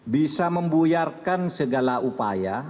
bisa membuyarkan segala upaya